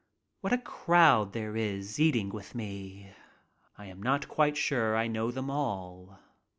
What a crowd there is eating with me! I am not quite sure I know them all.